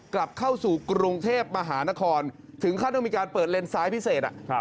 กลับเข้าสู่กรุงเทพมหานครถึงขั้นต้องมีการเปิดเลนซ้ายพิเศษ